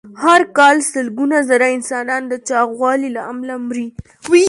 هر کال سلګونه زره انسانان د چاغوالي له امله مري.